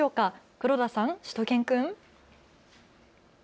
黒田さん、しゅと犬くん。